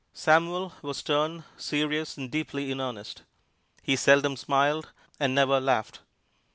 Samuel was stern, serious and deeply in earnest. He seldom smiled and never laughed.